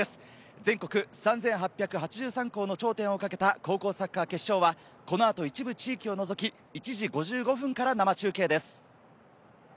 全国３８８３校の頂点をかけた高校サッカー決勝はこの後、一部地域を除き、１時５５分から生中継です。